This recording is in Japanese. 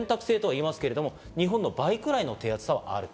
日本の倍くらいの手厚さがあると。